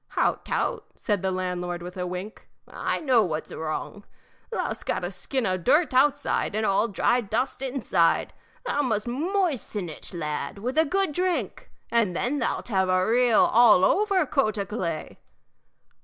"Hout tout!" said the landlord, with a wink. "I know what's wrong. Thou 'st got a skin o' dirt outside and all dry dust inside. Thou must moisten it, lad, with a good drink, and then thou 'lt have a real all over coat o' clay."